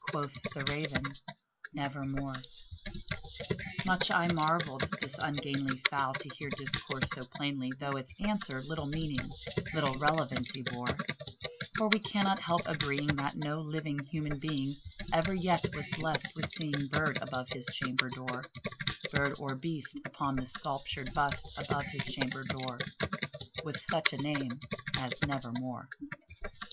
Quoth the Raven, "Nevermore." Much I marvelled this ungainly fowl to hear discourse so plainly, Though its answer little meaning little relevancy bore; For we cannot help agreeing that no living human being Ever yet was blessed with seeing bird above his chamber door Bird or beast upon the sculptured bust above his chamber door, With such name as "Nevermore."